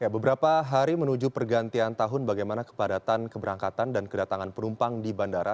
beberapa hari menuju pergantian tahun bagaimana kepadatan keberangkatan dan kedatangan penumpang di bandara